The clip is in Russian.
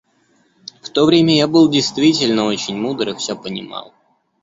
В то время я был действительно очень мудр и всё понимал.